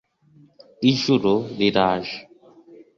ijuru riraje